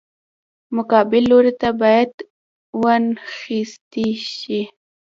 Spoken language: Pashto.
مقابل لوری باید وانخیستی شي.